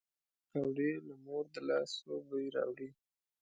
پکورې له مور د لاسو بوی راوړي